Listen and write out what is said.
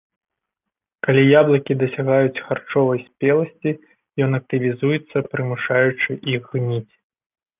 Калі яблыкі дасягаюць харчовай спеласці, ён актывізуецца, прымушаючы іх гніць.